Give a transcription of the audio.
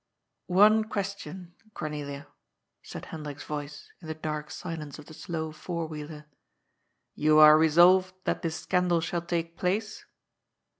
" One question, Cornelia," said Hendrik's voice in the dark silence of the slow four wheeler. " You are resolved that this scandal shall take place